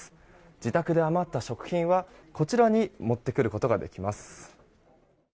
自宅で余った食品はこちらに持ってくることができます。